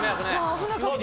危なかった。